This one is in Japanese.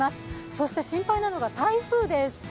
そして心配なのが台風です。